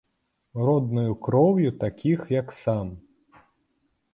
Роднаю кроўю такіх, як сам.